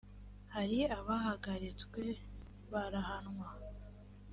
hari abahagaritswe barahanwa